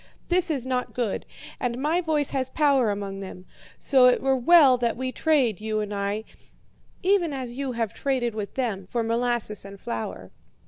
This is not good, and my voice has power among them; so it were well that we trade, you and I, even as you have traded with them, for molasses and flour.'